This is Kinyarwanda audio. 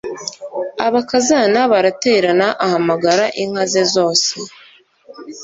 abakazana baraterana, ahamagaza inka ze zose,